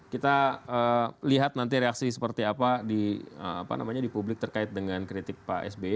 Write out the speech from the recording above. kita lihat nanti reaksi seperti apa di publik terkait dengan kritik pak sby